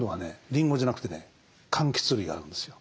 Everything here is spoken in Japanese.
りんごじゃなくてねかんきつ類が合うんですよ。